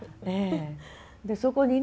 でそこにね